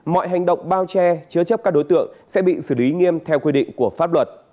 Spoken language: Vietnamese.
mọi hành động bao che chứa chấp các đối tượng sẽ bị xử lý nghiêm theo quy định của pháp luật